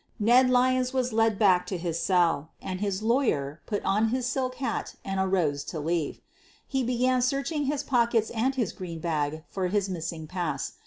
Ned Lyons was led back to his cell and his "law yer" put on his silk hat and arose to leave. He began searching his pockets and his green bag for his missing pass.